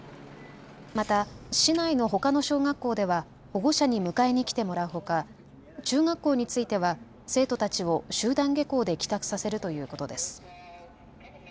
また市内のほかの小学校では保護者に迎えに来てもらうほか中学校については生徒たちを集団下校で帰宅させるということです。